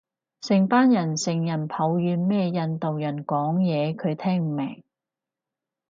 成班人成人抱怨咩印度人講嘢佢聽唔明